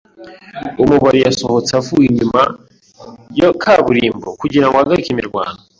Umubari yasohotse avuye inyuma ya kaburimbo kugirango ahagarike imirwano.